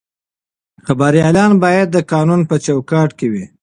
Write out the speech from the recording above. خبریالان باید د قانون په چوکاټ کې وي.